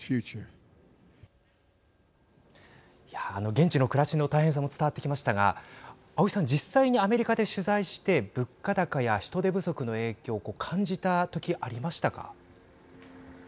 現地の暮らしの大変さも伝わってきましたが青井さん、実際にアメリカで取材して物価高や人手不足の影響感じた時ありましたか。